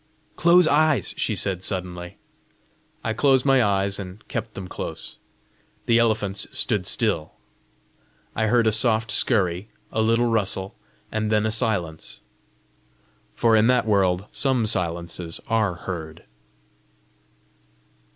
"Close eyes!" she said suddenly. I closed my eyes, and kept them close. The elephants stood still. I heard a soft scurry, a little rustle, and then a silence for in that world SOME silences ARE heard.